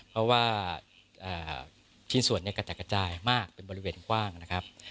เพราะว่าชิ้นส่วนกระจัดกระจายมากเป็นบริเวณกว้างนะครับ